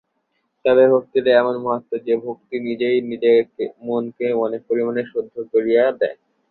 তবে ভক্তিরও এমনই মাহাত্ম্য যে, ভক্তি নিজেই মনকে অনেক পরিমাণে শুদ্ধ করিয়া দেয়।